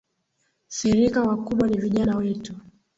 thirika wakubwa ni vijana wetu